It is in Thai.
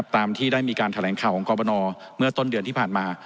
ตามที่ได้มีการแถลงข่าวของกรบนเมื่อต้นเดือนที่ผ่านมา